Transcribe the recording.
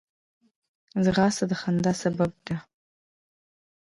ځغاسته د خندا سبب ده